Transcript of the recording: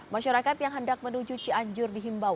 masyarakat yang hendak menuju cianjur dihimbau